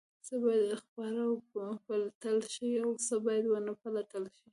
څه باید خپاره او وپلټل شي او څه باید ونه پلټل شي؟